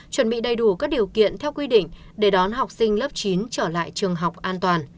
chuẩn bị đầy đủ các điều kiện theo quy định để đón học sinh lớp chín trở lại trường học an toàn